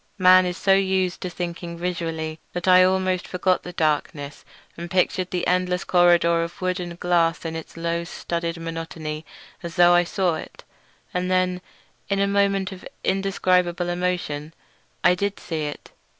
Man is so used to thinking visually that I almost forgot the darkness and pictured the endless corridor of wood and glass in its low studded monotony as though I saw it. And then in a moment of indescribable emotion I did see it.